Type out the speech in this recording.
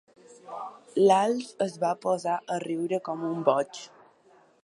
L'Alf es va posar a riure com un boig.